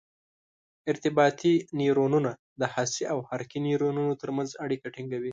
ارتباطي نیورونونه د حسي او حرکي نیورونونو تر منځ اړیکه ټینګوي.